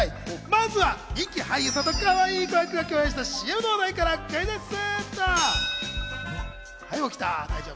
まずは人気俳優さんとかわいい子役が共演したＣＭの話題からクイズッス！